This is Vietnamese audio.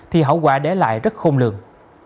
thì hậu quả để lại rất khôn lường